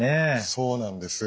そうなんです。